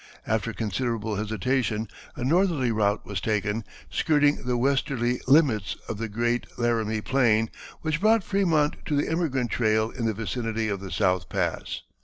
After considerable hesitation a northerly route was taken, skirting the westerly limits of the great Laramie plain, which brought Frémont to the emigrant trail in the vicinity of the South Pass.